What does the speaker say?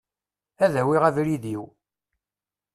Ad awiɣ abrid-iw.